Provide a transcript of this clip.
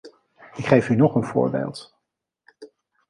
Ik geef u nog een voorbeeld.